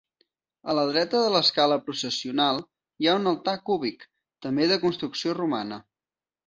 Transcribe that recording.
A la dreta de l'escala processional hi ha un altar cúbic, també de construcció romana.